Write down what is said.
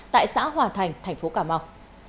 tại xã hòa thành tp cà mau